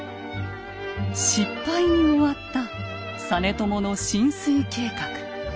失敗に終わった実朝の進水計画。